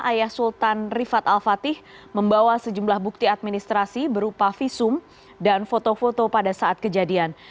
ayah sultan rifat al fatih membawa sejumlah bukti administrasi berupa visum dan foto foto pada saat kejadian